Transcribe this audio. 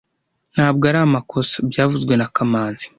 Ntabwo ari amakosa byavuzwe na kamanzi